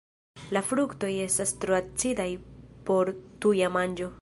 La fruktoj estas tro acidaj por tuja manĝo.